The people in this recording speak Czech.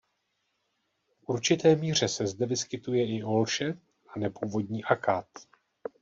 V určité míře se zde vyskytuje i olše a nepůvodní akát.